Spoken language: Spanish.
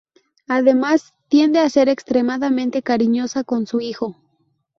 Además tiende a ser extremadamente cariñosa con su hijo.